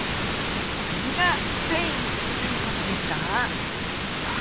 これが遷移という事ですか？